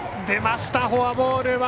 出ました、フォアボール。